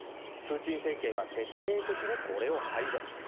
プーチン政権は徹底的にこれを排除。